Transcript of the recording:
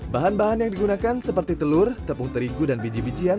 bahan bahan yang digunakan seperti telur tepung terigu dan biji bijian